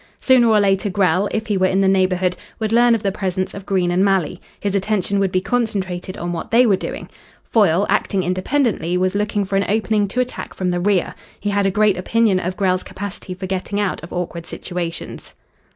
Sooner or later Grell, if he were in the neighbourhood, would learn of the presence of Green and Malley. His attention would be concentrated on what they were doing. Foyle, acting independently, was looking for an opening to attack from the rear. He had a great opinion of Grell's capacity for getting out of awkward situations.